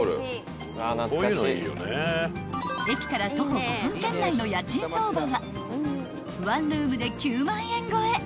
［駅から徒歩５分圏内の家賃相場は１ルームで９万円超え］